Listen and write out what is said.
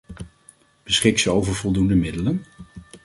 Beschikt ze over voldoende middelen?